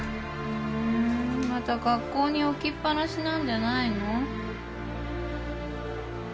うんまた学校に置きっ放しなんじゃないの？